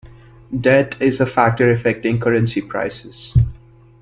Debt is a factor affecting currency prices.